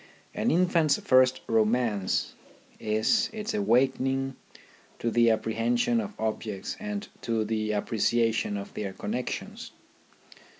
An infant's first romance is its awakening to the apprehension of objects and to the appreciation of their connexions.